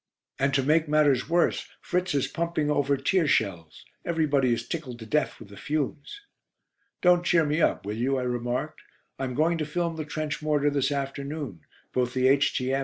And to make matters worse, Fritz is pumping over tear shells. Everybody is tickled to death with the fumes." "Don't cheer me up, will you?" I remarked. "I'm going to film the trench mortar this afternoon, both the H.T.M.